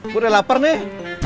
gue udah lapar nih